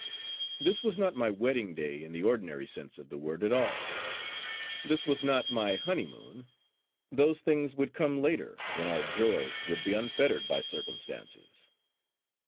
This was not my wedding day in the ordinary sense of the word at all. This was not my honeymoon. Those things would come later, when our joy would be unfettered by circumstances.